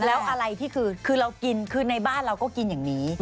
แล้วอะไรที่คือเรากินคือในบ้านเราก็กินอย่างนี้